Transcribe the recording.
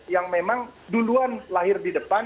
yang memang duluan lahir di depan